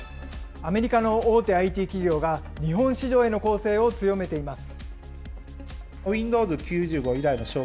アメリカの大手ＩＴ企業が日本市場への攻勢を強めています。